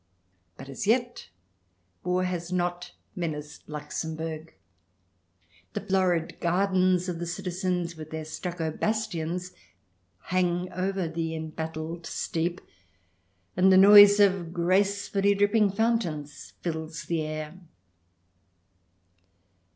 But as yet war has not menaced Luxembourg. The florid gardens of the citizens, with their stucco bastions, hang over the embattled steep, and the noise of gracefully dripping fountains fills the air.